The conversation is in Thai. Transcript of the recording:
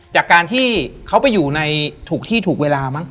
จากการที่เขาไปอยู่ในถูกที่ถูกเวลามั้ง